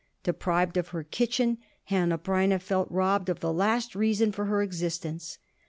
Deprived of her kitchen, Hanneh Breineh felt robbed of the last reason for her existence.